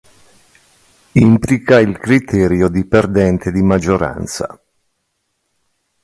Implica il criterio di perdente di maggioranza.